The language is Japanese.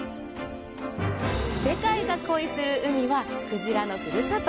世界が恋する海は、鯨のふるさと。